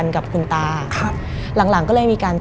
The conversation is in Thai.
มันกลายเป็นรูปของคนที่กำลังขโมยคิ้วแล้วก็ร้องไห้อยู่